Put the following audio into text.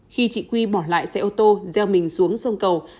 khi chị quy bỏ lại xe ô tô gieo mình xuống sông cầu